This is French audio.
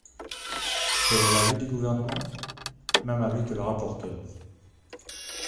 Quel est l’avis du Gouvernement ? Même avis que le rapporteur.